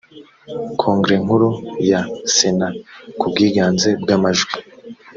kongere nkuru ya sner ku bwiganze bw’amajwi